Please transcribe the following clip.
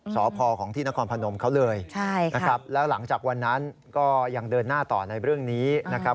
สพของที่นครพนมเขาเลยนะครับแล้วหลังจากวันนั้นก็ยังเดินหน้าต่อในเรื่องนี้นะครับ